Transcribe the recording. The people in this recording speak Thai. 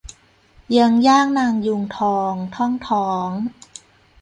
เยื้องย่างนางยูงทอง ท่องท้อง